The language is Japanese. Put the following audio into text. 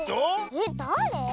えっだれ？